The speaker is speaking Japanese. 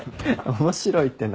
面白いって何？